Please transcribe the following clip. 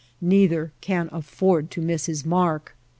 Neither can afford to miss his mark.